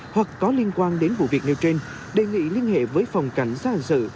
hoặc có liên quan đến vụ việc nêu trên đề nghị liên hệ với phòng cảnh gia hạn sự